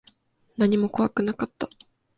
何も怖くなかった。